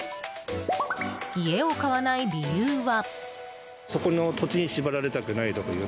家を買わない理由は。